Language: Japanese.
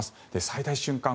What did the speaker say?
最大瞬間